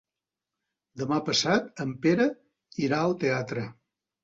Demà passat en Pere irà al teatre.